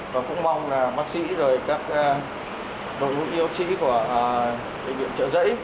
và cũng mong là bác sĩ và các đội ngũ y bác sĩ của bệnh viện trợ rẫy